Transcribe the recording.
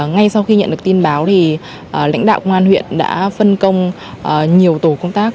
ngay sau khi nhận được tin báo thì lãnh đạo công an huyện đã phân công nhiều tổ công tác